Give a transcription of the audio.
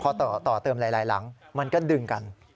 พอต่อเติมหลายหลังมันก็ดึงกัน